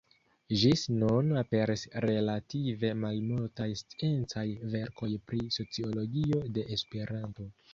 Ĝis nun aperis relative malmultaj sciencaj verkoj pri sociologio de Esperanto.